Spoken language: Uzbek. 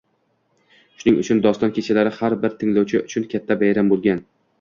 Shuning uchun doston kechalari har bir tinglovchi uchun katta bayram bo'lgan